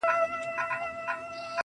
ښه دی چي ته خو ښه يې، گوره زه خو داسي يم,